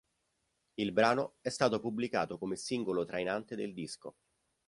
Il brano è stato pubblicato come singolo trainante del disco.